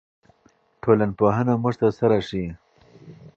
ټولنپوهنه موږ ته څه راښيي؟